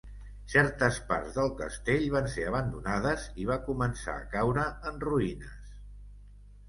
Certes parts del castell van ser abandonades i va començar a caure en ruïnes.